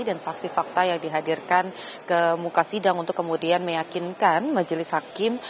saksi fakta yang dihadirkan ke muka sidang untuk kemudian meyakinkan majelis hakim